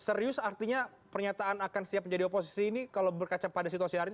serius artinya pernyataan akan siap menjadi oposisi ini kalau berkaca pada situasi hari ini